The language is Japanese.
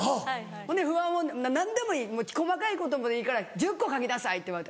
そんで「不安を何でもいい細かいこともいいから１０個書きなさい」って言われて。